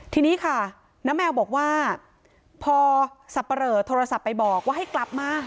ทีนี้ค่ะน้าแมวบอกว่าพอสับปะเหลอโทรศัพท์ไปบอกว่าให้กลับมา